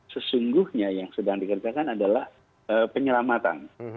sesungguhnya yang sedang dikerjakan adalah penyelamatan